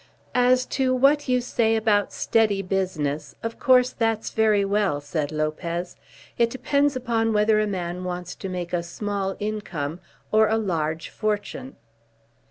"As to what you say about steady business, of course that's very well," said Lopez. "It depends upon whether a man wants to make a small income or a large fortune."